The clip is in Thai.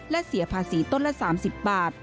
และเสียภาษีต้นละ๓๐บาท